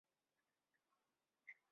在楚庄王时期任主管进谏的箴尹。